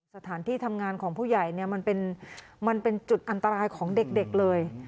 สถานที่ทำงานของผู้ใหญ่เนี่ยมันเป็นจุดอันตรายของเด็กเลย